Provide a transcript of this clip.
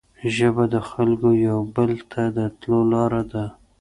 ژبه د خلګو یو بل ته د تلو لاره ده